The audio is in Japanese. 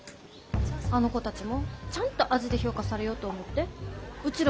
あの子たちもちゃんと味で評価されようと思ってうち